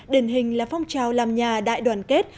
điển hình là phong trào làm nhà đại đoàn kết